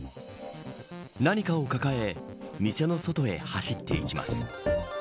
何かを抱え店の外へ走っていきます。